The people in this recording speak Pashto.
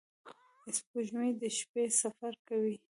• سپوږمۍ د شپې سفر کوي.